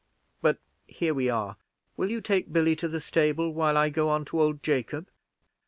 But here we are: will you take Billy to the stable, while I go on to old Jacob?